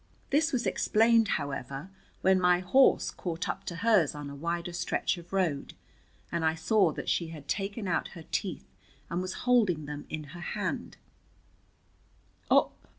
This was explained, however, when my horse caught up to hers on a wider stretch of road, and I saw that she had taken out her teeth and was holding them in her hand.